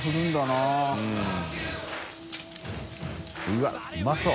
うわっうまそう。